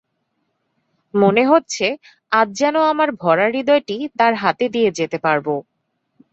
মনে হচ্ছে, আজ যেন আমার ভরা হৃদয়টি তার হাতে দিয়ে যেতে পারব।